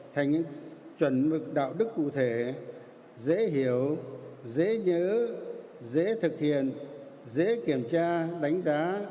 thành những chuẩn mực đạo đức cụ thể dễ hiểu dễ nhớ dễ thực hiện dễ kiểm tra đánh giá